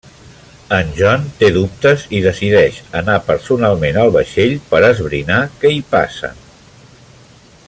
En John té dubtes i decideix anar personalment al vaixell per esbrinar què hi passa.